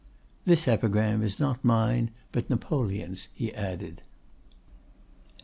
"This epigram is not mine, but Napoleon's," he added.